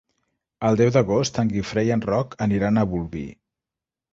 El deu d'agost en Guifré i en Roc aniran a Bolvir.